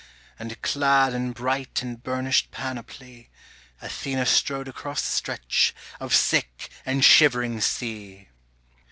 And clad in bright and burnished panoply Athena strode across the stretch of sick and shivering sea!